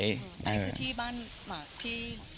ไหนคือที่บ้านมาที่